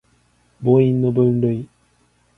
母音の分類